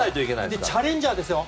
で、チャレンジャーですよ。